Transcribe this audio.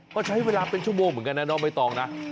ก็ใช้เวลาเป็นชั่วโมงเหมือนกันนะน้องใบตองนะ